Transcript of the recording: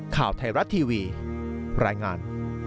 ข่าวไทยรัฐทีวีรายงาน